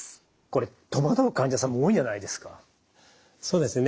これ戸惑う患者さんも多いんじゃないですか？